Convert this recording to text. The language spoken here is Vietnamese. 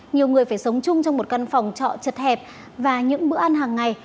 nhiều người phải sống chung trong một căn phòng trọ chật hẹp và những bữa ăn hàng ngày